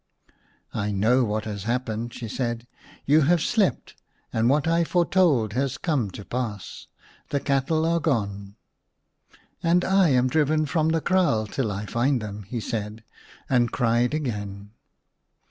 " I know what has happened," she said ;" you have slept, and what I foretold has come to pass the cattle are gone." " And I am driven from the kraal till I find them," he said, and cried again.